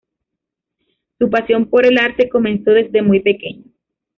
Su pasión por el arte comenzó desde muy pequeño.